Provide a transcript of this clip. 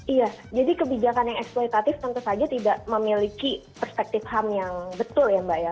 iya jadi kebijakan yang eksploitatif tentu saja tidak memiliki perspektif ham yang betul ya mbak ya